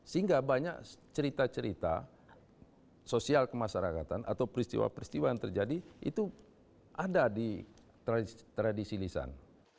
sehingga banyak cerita cerita sosial kemasyarakatan atau peristiwa peristiwa yang terjadi itu ada di tradisi lisan